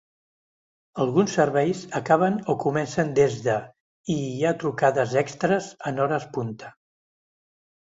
Alguns serveis acaben o comencen des de, i hi ha trucades extres en hores punta.